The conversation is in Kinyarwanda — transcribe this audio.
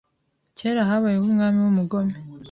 Kera, habayeho umwami w'umugome